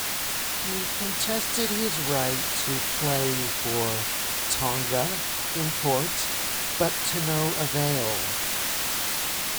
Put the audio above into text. He contested his right to play for Tonga in court, but to no avail.